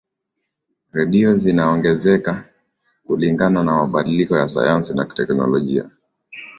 redio zinaongezeka kulingana na mabadiliko ya sayansi na teknolojia